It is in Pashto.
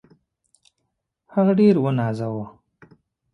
هغه ډېر ونازاوه.